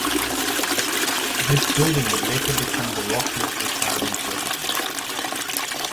This building would later become the Rockcliffe Retirement Residence.